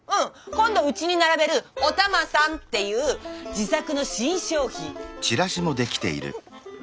今度うちに並べるお玉さんっていう自作の新商品。